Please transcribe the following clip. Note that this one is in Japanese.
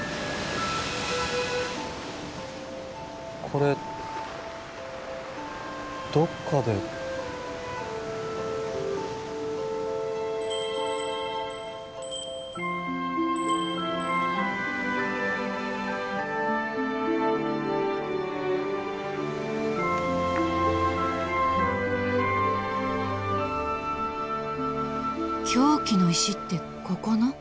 これどっかで凶器の石ってここの？